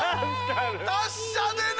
達者でな！